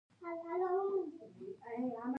عالي رهبر بیا خلکو ته دا انګېزه ورکوي.